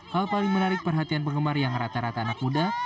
hal paling menarik perhatian penggemar yang rata rata anak muda